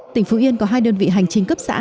tỉnh phú yên có hai đơn vị hành chính cấp xã